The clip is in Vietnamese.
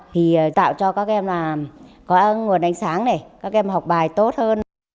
thì tạo cho các em là có nguồn ánh sáng này các em học bài tốt hơn